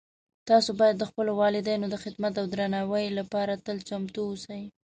تاسو باید د خپلو والدینو د خدمت او درناوۍ لپاره تل چمتو اوسئ